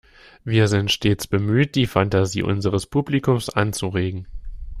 Wir sind stets bemüht, die Fantasie unseres Publikums anzuregen.